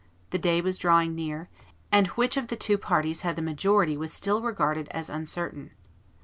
The day was drawing near; and which of the two parties had the majority was still regarded as, uncertain.